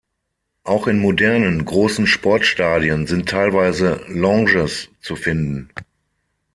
Auch in modernen, großen Sportstadien sind teilweise Lounges zu finden.